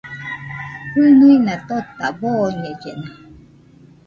Jɨnuina tota boñellena.